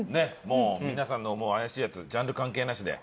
もう皆さんの思う怪しいやつジャンル関係なしで。